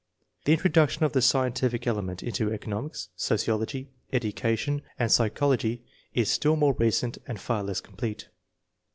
The introduction of the scientific element into economics, sociology, education, and psychology is still more recent and far less complete.